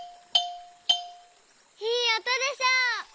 いいおとでしょ！